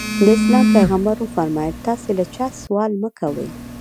د اسلام پیغمبر وفرمایل تاسې له چا سوال مه کوئ.